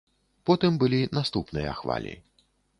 Потым былі наступныя хвалі.